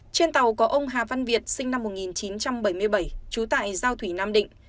trên tàu có ông hà văn việt sinh năm một nghìn chín trăm bảy mươi bảy trú tại giao thủy nam định